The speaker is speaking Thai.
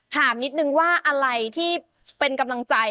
ถามนิดนึงว่าอะไรที่เป็นกำลังใจ